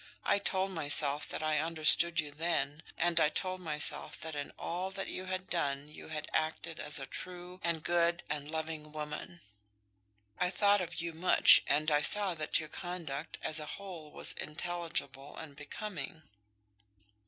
I told myself that I understood you then, and I told myself that in all that you had done you had acted as a true, and good, and loving woman. I thought of you much, and I saw that your conduct, as a whole, was intelligible and becoming."